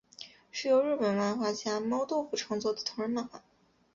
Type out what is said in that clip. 是由日本漫画家猫豆腐创作的同人漫画。